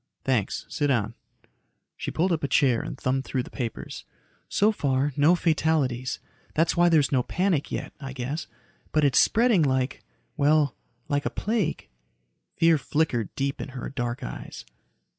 "Thanks. Sit down." She pulled up a chair and thumbed through the papers. "So far, no fatalities. That's why there's no panic yet, I guess. But it's spreading like ... well, like a plague." Fear flickered deep in her dark eyes.